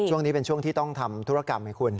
ช่วงนี้เป็นช่วงที่ต้องทำธุรกรรมให้คุณ